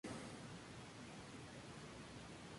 Cerca de la av.